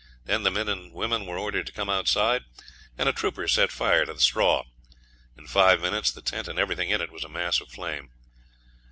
Then the men and women were ordered to come outside, and a trooper set fire to the straw. In five minutes the tent and everything in it was a mass of flame.